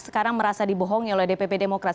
sekarang merasa dibohongi oleh dpp demokrat